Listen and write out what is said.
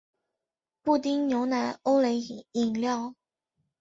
布丁牛奶欧蕾饮料